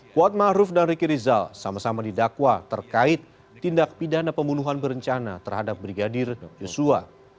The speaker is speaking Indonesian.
kuat ⁇ maruf ⁇ dan riki rizal sama sama didakwa terkait tindak pidana pembunuhan berencana terhadap brigadir yosua